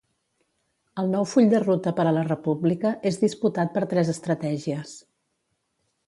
El nou full de ruta per a la República és disputat per tres estratègies.